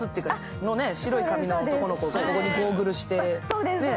白い髪の男の子がゴーグルして。